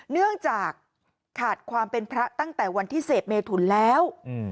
เนื่องจากขาดความเป็นพระตั้งแต่วันที่เสพเมถุนแล้ว